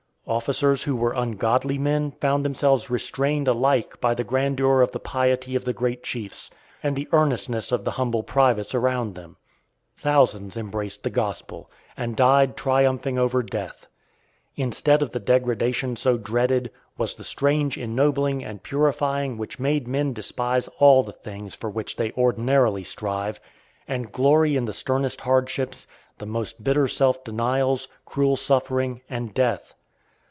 Officers who were ungodly men found themselves restrained alike by the grandeur of the piety of the great chiefs, and the earnestness of the humble privates around them. Thousands embraced the Gospel, and died triumphing over death. Instead of the degradation so dreaded, was the strange ennobling and purifying which made men despise all the things for which they ordinarily strive, and glory in the sternest hardships, the most bitter self denials, cruel suffering, and death.